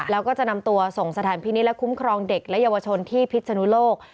แล้วก็จะนำตัวส่งสถานพินิษฐและคุ้มครองเด็กและเยาวชนที่พิษนุโลก